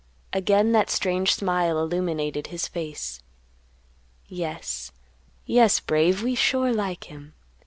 Again that strange smile illuminated his face; "Yes, yes, Brave, we sure like him.